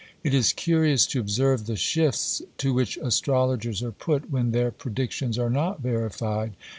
It is curious to observe the shifts to which astrologers are put when their predictions are not verified.